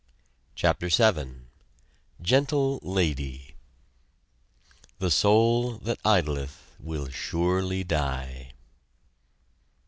CHAPTER VII GENTLE LADY The soul that idleth will surely die.